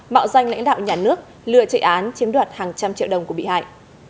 mạo danh lãnh đạo nhà nước lừa chạy án chiếm đoạt hàng trăm triệu đồng của bị hại